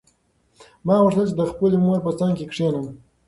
ما غوښتل چې د خپلې مور په څنګ کې کښېنم.